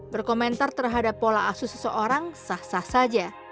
berkomentar terhadap pola asuh seseorang sah sah saja